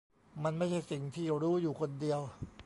มันไม่ใช่สิ่งที่รู้อยู่คนเดียว